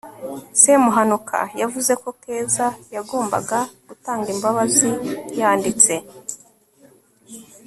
semuhanuka yavuze ko keza yagombaga gutanga imbabazi yanditse